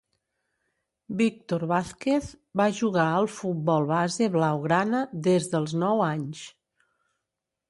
Víctor Vázquez va jugar al futbol base blaugrana des dels nou anys.